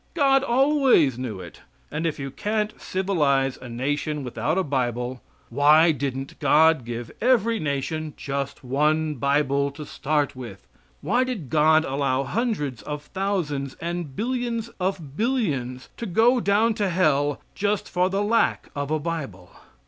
God always knew it, and if you can't civilize a nation without a Bible, why didn't God give every nation just one Bible to start with? Why did God allow hundreds of thousands and billions of billions to go down to hell just for the lack of a Bible?